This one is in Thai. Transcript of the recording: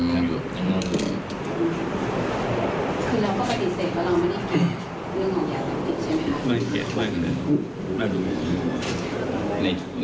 ไม่รู้ต้องกินอย่างน้องหนึ่ง